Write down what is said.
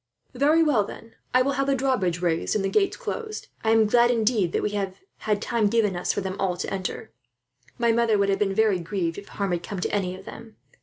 "Very well, then, I will have the drawbridge raised and the gates closed. I am glad, indeed, that we have had time given us for them all to enter. My mother would have been very grieved, if harm had come to any of them.